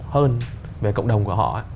hơn về cộng đồng của họ